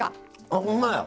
ほんまや。